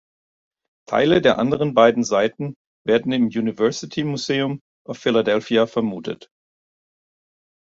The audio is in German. Teile der anderen beiden Seiten werden im University Museum of Philadelphia vermutet.